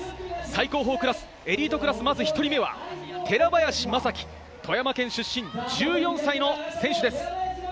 最高峰クラス、エリートクラス、まず１人目は寺林昌輝、富山県出身、１４歳の選手です。